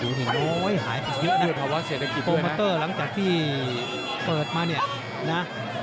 อยู่ภาวะเศรษฐกิจด้วยนะครับโปรแมตเตอร์หลังจากที่เปิดมาเนี่ยนะ